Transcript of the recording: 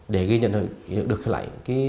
để ghi nhận được lại